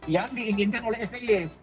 yang diinginkan oleh sd nya